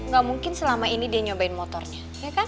gak mungkin selama ini dia nyobain motornya ya kan